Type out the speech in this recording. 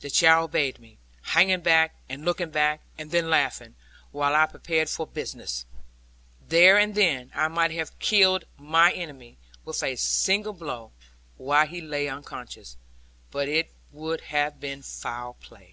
The child obeyed me, hanging back, and looking back, and then laughing, while I prepared for business. There and then I might have killed mine enemy, with a single blow, while he lay unconscious; but it would have been foul play.